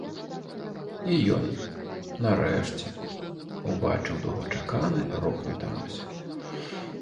І ён, нарэшце, убачыў доўгачаканы рух на дарозе.